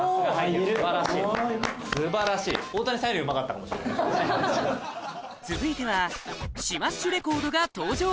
素晴らしい素晴らしい続いてはシマッシュレコードが登場